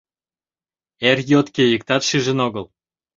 Эр йотке иктат шижын огыл.